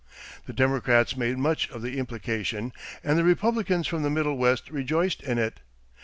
The Democrats made much of the implication and the Republicans from the Middle West rejoiced in it.